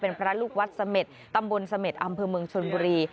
เป็นพระลูกวัดเสม็ดตำบลเสม็ดอำเภอเมืองชนบุรี